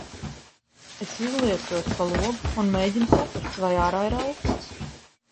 Es izliecos pa logu, un mēģinu saprast, vai ārā ir auksts.